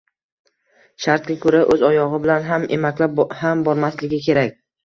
Shartga ko`ra o`z oyog`i bilan ham, emaklab ham bormasligi kerak